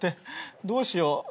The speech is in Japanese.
どうしよう。